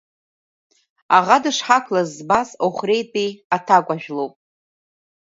Аӷа дышҳақәлаз збаз Охәреитәи аҭакәажә лоуп…